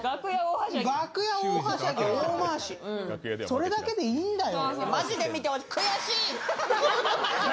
それだけでいいんだよ。